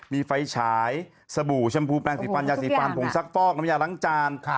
มีไฟฉายสบู่ชมพูแปลงสีฟันยาสีฟันผงซักฟอกน้ำยาล้างจาน